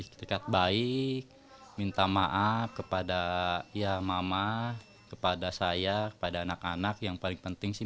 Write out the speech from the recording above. terikat baik minta maaf kepada ya mama kepada saya kepada anak anak yang paling penting sih